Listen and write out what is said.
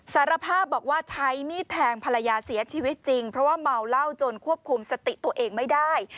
สารภาพบอกว่าใช้มีดแทงภรรยาเสียชีวิตจริงเพราะว่าเมาเหล้าจนควบคุมสติตัวเองไม่ได้